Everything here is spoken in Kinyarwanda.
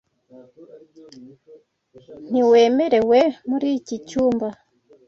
Ntiwemerewe muri iki cyumba.